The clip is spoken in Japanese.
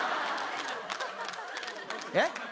えっ？